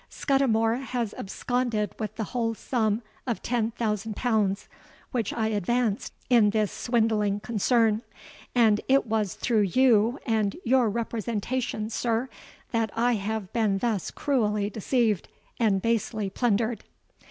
'Scudimore has absconded with the whole sum of ten thousand pounds which I advanced in this swindling concern; and it was through you and your representations, sir, that I have been thus cruelly deceived and basely plundered.'